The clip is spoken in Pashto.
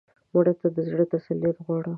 مړه ته د زړه تسلیت غواړو